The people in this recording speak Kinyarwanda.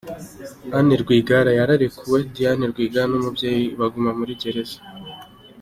Anne Rwigara yararekuwe, Diane Rwigara n’umubyeyi we baguma muri gereza.